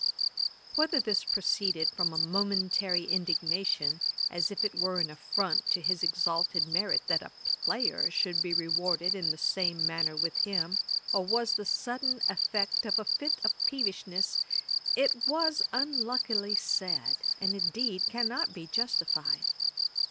Whether this proceeded from a momentary indignation, as if it were an affront to his exalted merit that a player should be rewarded in the same manner with him, or was the sudden effect of a fit of peevishness, it was unluckily said, and, indeed, cannot be justified.